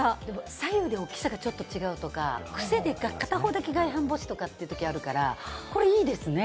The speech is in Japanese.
左右で大きさが違うとか癖で、片方だけ外反母趾ってときがあるから、これいいですね。